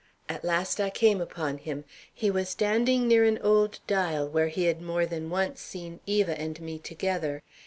At last I came upon him. He was standing near an old dial, where he had more than once seen Eva and me together.